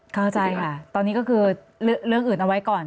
เข้าใจค่ะตอนนี้ก็คือเรื่องอื่นเอาไว้ก่อน